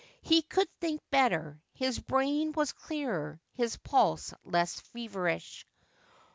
He could think better— his brain was clearer — his pulse less feverish.